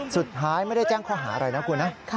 สุดท้ายไม่ได้แจ้งข้อหาอะไรนะคุณนะ